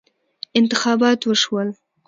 انتخابات وشول.